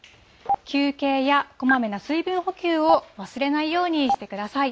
休憩やこまめな水分補給を忘れないようにしてください。